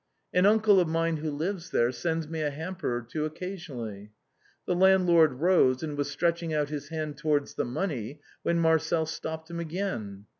" An uncle of mine who lives there, sends me a hamper or two occasionally." The landlord rose, and was stretching out his hand to wards the money, when Marcel stopped him again.